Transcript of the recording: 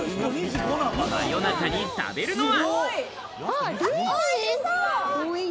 真夜中に食べるのは。